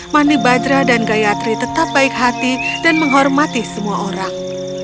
mani badra dan gayatri tetap baik hati dan menghormati semua orang